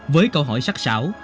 với câu hỏi sắc xảo